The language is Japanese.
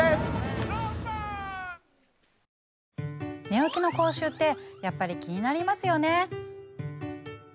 寝起きの口臭ってやっぱり気になりますよね。